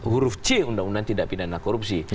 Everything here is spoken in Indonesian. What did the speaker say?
huruf c undang undang tidak pidana korupsi